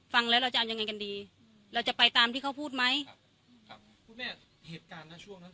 ฟังแล้วเราจะเอายังไงกันดีเราจะไปตามที่เขาพูดไหมครับครับ